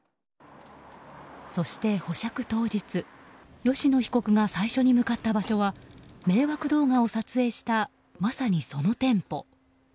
そして保釈当日吉野被告が最初に向かった場所は迷惑動画を撮影したまさに、その店舗。